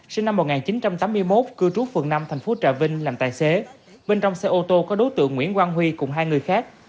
sinh năm một nghìn chín trăm tám mươi một cư trú phường năm thành phố trà vinh làm tài xế bên trong xe ô tô có đối tượng nguyễn quang huy cùng hai người khác